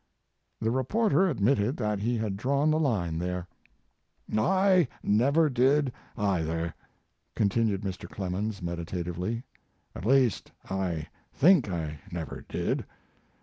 The reporter admitted that he had drawn the line there. " I never did, either/ continued Mr. Clemens, meditatively; at least I think I never did.